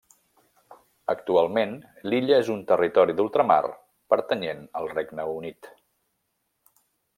Actualment, l'illa és un territori d'ultramar pertanyent al Regne Unit.